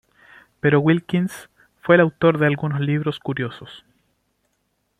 Pero Wilkins fue el autor de algunos libros curiosos.